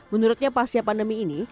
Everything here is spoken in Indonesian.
menurutnya pasca pandemi ini